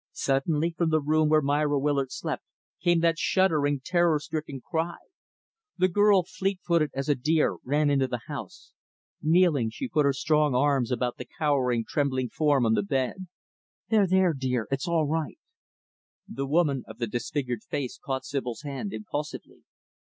Suddenly, from the room where Myra Willard slept, came that shuddering, terror stricken cry. The girl, fleet footed as a deer, ran into the house. Kneeling, she put her strong young arms about the cowering, trembling form on the bed. "There, there, dear, it's all right." The woman of the disfigured face caught Sibyl's hand, impulsively.